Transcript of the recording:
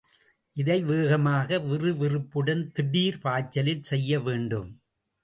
இதை வேகமாக, விறுவிறுப்புடன், திடீர் பாய்ச்சலில் செய்ய வேண்டும்.